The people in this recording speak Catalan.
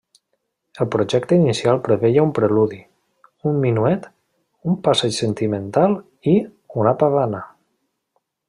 El projecte inicial preveia un preludi, un minuet, un passeig sentimental i una pavana.